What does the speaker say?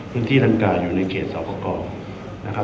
พื้นที่รังการอยู่ในเกษสอบกร